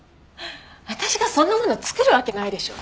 私がそんなもの作るわけないでしょ。